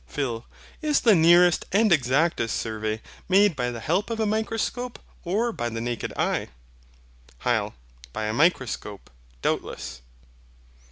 PHIL. Is the nearest and exactest survey made by the help of a microscope, or by the naked eye? HYL. By a microscope, doubtless.